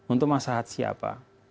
untuk masalah siapa